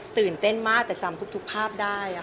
ตื่นเต้นมากแต่จำทุกภาพได้